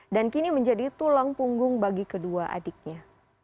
dan kini menjadi tulang punggung bagi kedua adiknya